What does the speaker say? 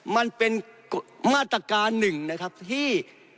มันเป็นมาตรการหนึ่งนะครับที่